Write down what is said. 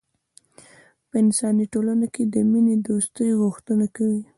په انساني ټولنه کې د مینې دوستۍ غوښتنه کوي.